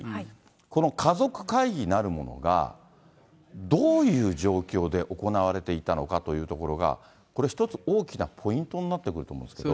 この家族会議なるものが、どういう状況で行われていたのかというところが、これ一つ、大きなポイントになってくると思うんですけど。